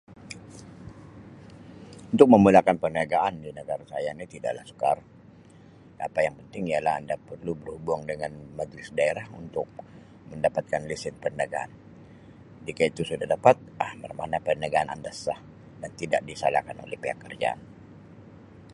Untuk memulakan perniagaan di negara saya ni tidaklah sukar, apa yang penting ialah anda perlu berhubung dengan majlis daerah untuk mendapatkan resit perniagaan, jika itu sudah dapat Um mana-mana perniagaan anda sah dan tidak disalahkan oleh pihak kerajaan.